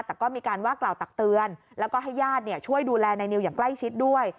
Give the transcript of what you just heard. แต่ก็มีการว่ากล่าวตักเตือนแล้วก็ให้ญาติช่วยดูแลนายนิวอย่างใกล้ชิดด้วย